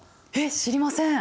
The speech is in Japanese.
知りません。